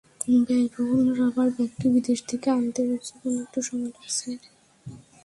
ব্যয় বহুল রাবার ব্যাগটি বিদেশ থেকে আনতে হচ্ছে বলে একটু সময় লাগছে।